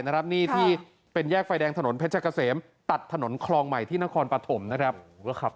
นี่ที่เป็นแยกไฟแดงถนนเพชรเกษมตัดถนนคลองใหม่ที่นครปฐมนะครับ